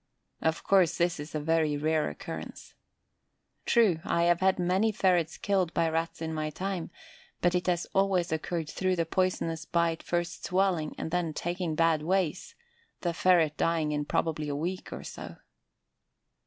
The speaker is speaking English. Of course this is a very rare occurrence. True, I have had many ferrets killed by Rats in my time, but it has always occurred through the poisonous bite first swelling and then "taking bad ways," the ferret dying in probably a week or so.